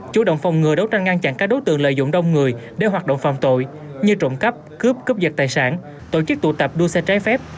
chủ động phòng ngừa đấu tranh ngăn chặn các đối tượng lợi dụng đông người để hoạt động phạm tội như trộm cắp cướp cướp giật tài sản tổ chức tụ tập đua xe trái phép